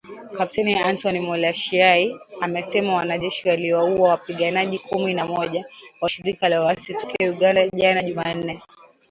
Kepteni Antony Mualushayi, amesema wanajeshi waliwaua wapiganaji kumi na moja wa shirika la waasi tokea Uganda jana Jumanne